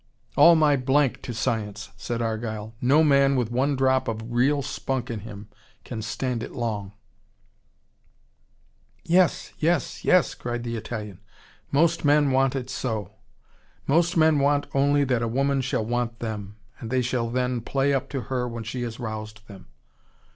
"All my to science," said Argyle. "No man with one drop of real spunk in him can stand it long." "Yes! Yes! Yes!" cried the Italian. "Most men want it so. Most men want only, that a woman shall want them, and they shall then play up to her when she has roused them.